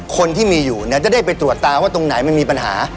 คนที่มีอยู่เนี่ยจะได้ไปตรวจตาว่าตรงไหนมันมีปัญหา